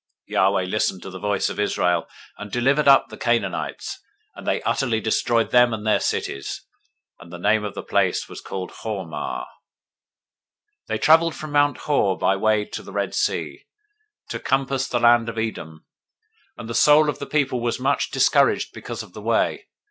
021:003 Yahweh listened to the voice of Israel, and delivered up the Canaanites; and they utterly destroyed them and their cities: and the name of the place was called Hormah. 021:004 They traveled from Mount Hor by the way to the Red Sea{or, Sea of Reeds}, to compass the land of Edom: and the soul of the people was much discouraged because of the way.